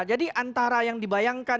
jadi antara yang dibayangkan